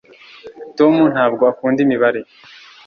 tom ntabwo akunda imibare